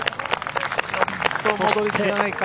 ちょっと戻り足りないか。